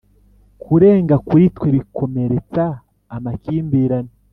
kurenga kuri twe bikomeretsa amakimbirane,